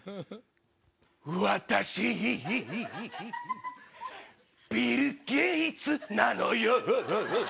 私、ビル・ゲイツなのよ。